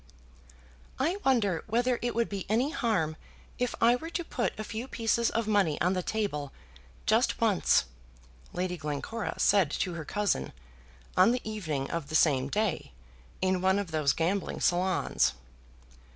"I wonder whether it would be any harm if I were to put a few pieces of money on the table, just once?" Lady Glencora said to her cousin, on the evening of the same day, in one of those gambling salons.